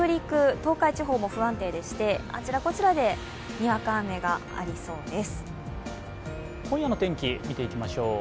東海地方も不安定でして、あちらこちらでにわか雨がありそうです。